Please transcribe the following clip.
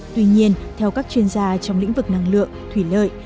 tuy nhiên theo các chuyên gia trong lĩnh vực năng lượng thủy lợi